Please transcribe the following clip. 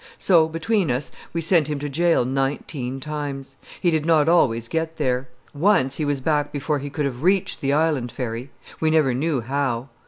So, between us, we sent him to jail nineteen times. He did not always get there. Once he was back before he could have reached the Island ferry; we never knew how.